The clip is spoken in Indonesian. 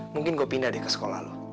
mungkin gue pindah deh ke sekolah loh